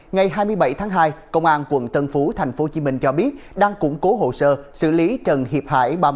ngày hai mươi bảy tháng hai công an quận tân phú tp hcm cho biết đang củng cố hồ sơ xử lý trần hiệp hải